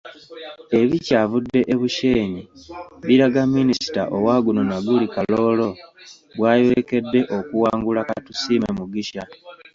Ebikyavudde e Bushenyi biraga Minisita owa guno naguli Karooro, bw'ayolekedde okuwangulwa Katusiime Mugisha.